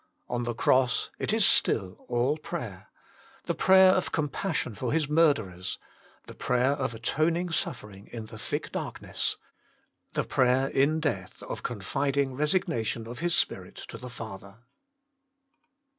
On the Cross it is still all prayer the prayer of compassion for His murderers ; the prayer of atoning suffering in the thick darkness ; the prayer in death of confid ing resignation of His spirit to the Father.